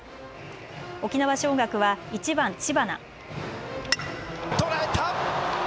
沖縄尚学は１番・知花。